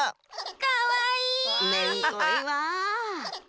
かわいい！